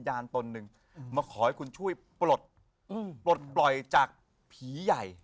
แจ๊คจิลวันนี้เขาสองคนไม่ได้มามูเรื่องกุมาทองอย่างเดียวแต่ว่าจะมาเล่าเรื่องประสบการณ์นะครับ